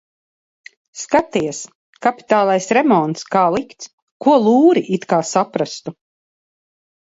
Skaties- kapitālais remonts kā likts! Ko lūri it kā saprastu?